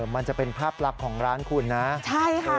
มันจะเป็นภาพลักษณ์ของร้านคุณนะใช่ค่ะ